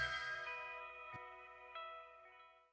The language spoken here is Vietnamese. dưới đây là một số lưu ý cần lưu tâm để phục hồi men răng tự nhiên hiệu quả nhất